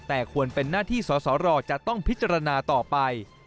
แต่ควรเป็นหน้าที่สสรจะต้องพิจารณาต่อไป